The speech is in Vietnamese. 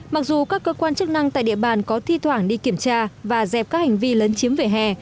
mặc dù các cơ quan chức năng tại địa bàn có thi thoảng đi kiểm tra và dẹp các hành vi lấn chiếm vỉa hè